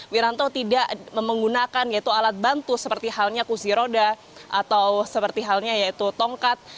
wiranto tidak menggunakan yaitu alat bantu seperti halnya kursi roda atau seperti halnya yaitu tongkat